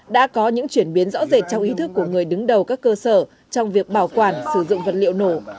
đã có những chuyển biến rõ rệt trong ý thức của người đứng đầu các cơ sở trong việc bảo quản sử dụng vật liệu nổ